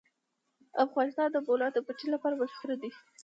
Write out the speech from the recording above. افغانستان د د بولان پټي لپاره مشهور دی.